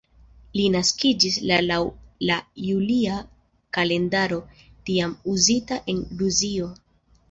Li naskiĝis la laŭ la julia kalendaro tiam uzita en Rusio.